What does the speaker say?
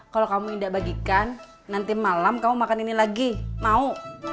kalau kamu tidak bagikan nanti malam kamu makan ini lagi mau